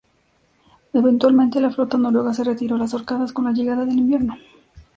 Eventualmente, la flota noruega se retiró a las Órcadas con la llegada del invierno.